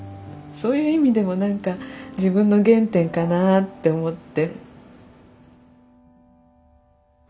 そういう意味でも何か自分の原点かなあって思って。